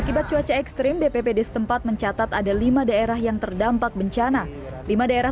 akibat cuaca ekstrim bppd setempat mencatat ada lima daerah yang terdampak bencana lima daerah